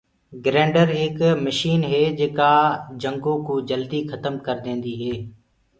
گرينڊر ايڪ مشن هي جينڪآ جنگو ڪوُ جلدي کتم ڪردي هي۔